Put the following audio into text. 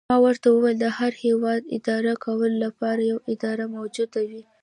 ما ورته وویل: د هر هیواد اداره کولو لپاره یوه اداره موجوده وي.